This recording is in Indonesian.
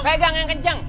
pegang yang kenceng